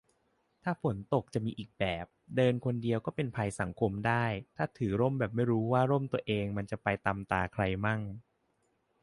ถ้าฝนตก จะมีอีกแบบ เดินคนเดียวก็เป็นภัยสังคมได้ ถ้าถือร่มแบบไม่รู้ว่าร่มตัวเองมันจะไปตำตาใครมั่ง